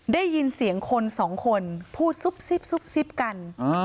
ได้ยินเสียงคนสองคนพูดซุบซิบกัน